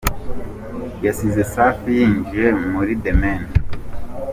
yasize Safi yinjiye muri The Mane.